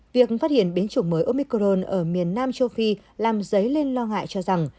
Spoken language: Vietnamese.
việc phát hiện biến chủng mới omicron ở miền nam châu phi làm giấy lên lo ngại cho rằng